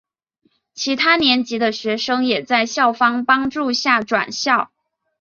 其他年级的学生也在校方帮助下转校。